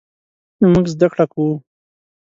مونږ زده کړه کوو